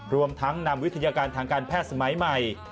รวมทั้งนำวิทยาการทางการแพทย์สมัยใหม่